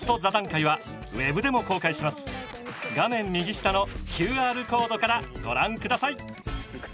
画面右下のＱＲコードからご覧下さい。